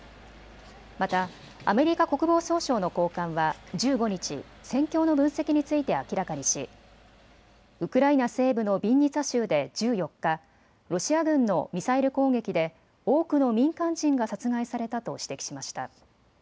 またアメリカ国防総省の高官は１５日、戦況の分析について明らかにしウクライナ西部のビンニツァ州で１４日、ロシア軍のミサイル攻撃で多くの民間人が殺害されたと指摘しました。